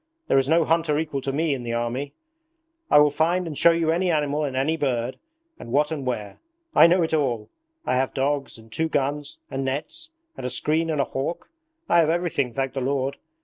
There is no hunter to equal me in the whole army. I will find and show you any animal and any bird, and what and where. I know it all! I have dogs, and two guns, and nets, and a screen and a hawk. I have everything, thank the Lord!